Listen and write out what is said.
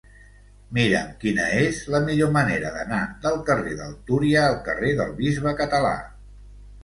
Mira'm quina és la millor manera d'anar del carrer del Túria al carrer del Bisbe Català.